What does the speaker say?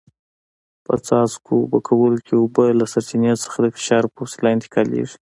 په څاڅکو اوبه کولو کې اوبه له سرچینې څخه د فشار په وسیله انتقالېږي.